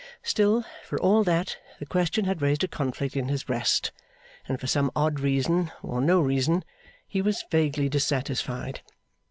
Still, for all that, the question had raised a conflict in his breast; and, for some odd reason or no reason, he was vaguely dissatisfied.